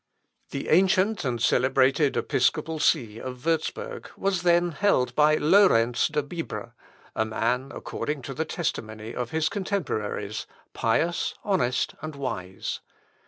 (p. 13) The ancient and celebrated episcopal see of Würzburg was then held by Lowrence de Bibra, a man, according to the testimony of his contemporaries, pious, honest, and wise.